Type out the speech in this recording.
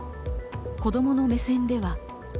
子供の目線では。